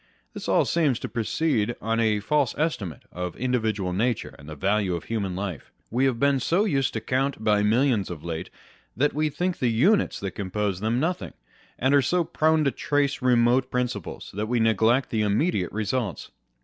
This all seems to proceed on a false estimate of individual nature and the value of human life. We have been so used to count by millions of late, that we think the units that compose them nothing ; and are so prone to trace remote prin ciples, that we neglect the immediate results.